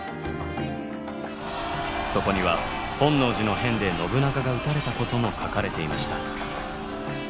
そこには本能寺の変で信長が討たれたことも書かれていました。